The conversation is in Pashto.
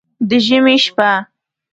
د ژمي شپه